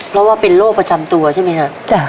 เพราะว่าเป็นโรคประจำตัวใช่มั้ยค่ะ